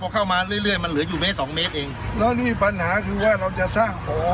พอเข้ามาเรื่อยเรื่อยมันเหลืออยู่เมตรสองเมตรเองแล้วนี่ปัญหาคือว่าเราจะสร้างหอ